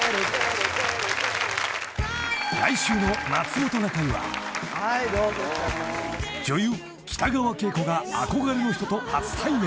［来週の『まつもｔｏなかい』は］［女優北川景子が憧れの人と初対面］